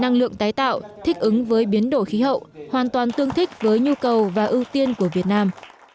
năng lượng tái tạo thích ứng với biến đổi khí hậu hoàn toàn tương thích với nhu cầu và ưu tiên của việt nam